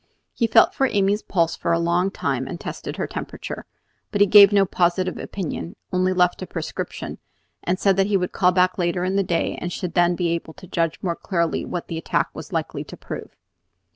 He felt Amy's pulse for a long time, and tested her temperature; but he gave no positive opinion, only left a prescription, and said that he would call later in the day and should then be able to judge more clearly what the attack was likely to prove.